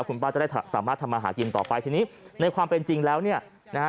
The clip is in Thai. คุณป้าจะได้สามารถทำมาหากินต่อไปทีนี้ในความเป็นจริงแล้วเนี่ยนะฮะ